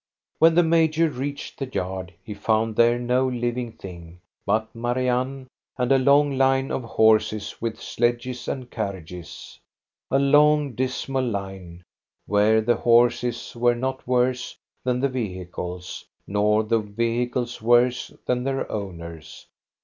When the major reached the yard, he found there no living thing but Marianne and a long line of horses with sledges and carriages, — a long dismal line, where the horses were not worse than the vehicles, nor the vehicles worse than their owners.